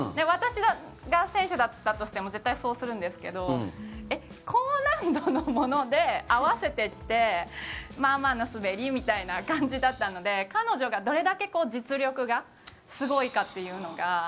私が選手だったとしても絶対そうするんですけど高難度の技で合わせてきてまあまあの滑りみたいな感じだったので彼女がどれだけ実力がすごいかというのが。